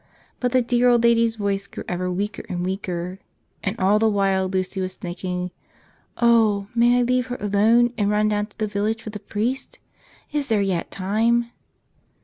But the dear old lady's voice grew ever weaker and weaker. And all the while Lucy was thinking, "Oh, may I leave her alone and run down to the village for the priest? Is there yet time?"